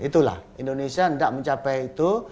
itulah indonesia tidak mencapai itu